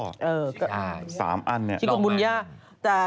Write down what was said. ซิกก้าชิโกบุญญา๓อันงั้น